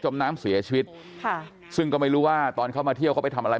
น้ำเสียชีวิตค่ะซึ่งก็ไม่รู้ว่าตอนเข้ามาเที่ยวเขาไปทำอะไร